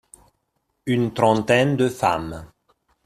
Une trentaine de femmes.